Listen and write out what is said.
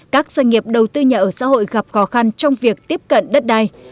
các doanh nghiệp đầu tư nhà ở xã hội gặp khó khăn trong việc tiếp cận đất đai